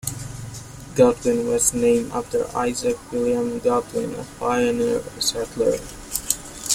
Godwin was named after Isaac William Godwin, a pioneer settler.